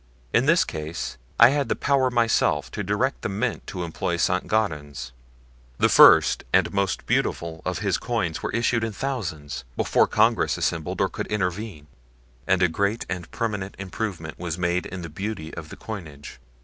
In this case I had power myself to direct the Mint to employ Saint Gaudens. The first, and most beautiful, of his coins were issued in thousands before Congress assembled or could intervene; and a great and permanent improvement was made in the beauty of the coinage.